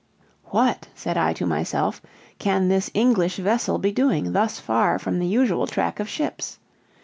"What," said I to myself, "can this English vessel be doing thus far from the usual track of ships?"